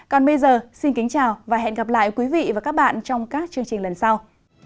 còn bây giờ xin kính chào và hẹn gặp lại quý vị và các bạn trong các chương trình lần sau